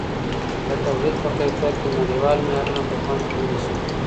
د توليد په کيفيت کي نړيوال معيارونه په پام کي ونيسئ.